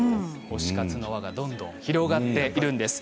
推し活の輪がどんどん広がっています。